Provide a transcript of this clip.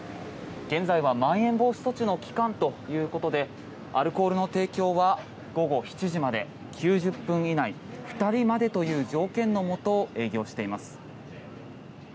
現在は、まん延防止措置の期間ということでアルコールの提供は午後７時まで９０分以内２人までという条件のもと営業しています。